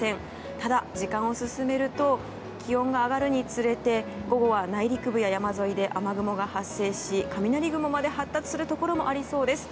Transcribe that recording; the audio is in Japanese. ただ、時間を進めると気温が上がるにつれて午後は内陸部や山沿いで雨雲が発生し雷雲まで発達するところもありそうです。